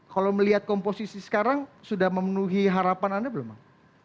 kalau melihat komposisi sekarang sudah memenuhi harapan anda belum bang